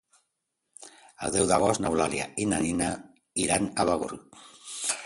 El deu d'agost n'Eulàlia i na Nina iran a Begur.